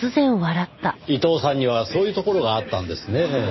伊藤さんにはそういうところがあったんですねぇ。